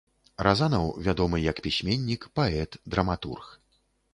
Разанаў вядомы як пісьменнік, паэт, драматург.